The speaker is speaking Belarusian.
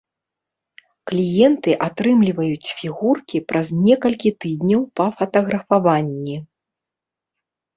Кліенты атрымліваюць фігуркі праз некалькі тыдняў па фатаграфаванні.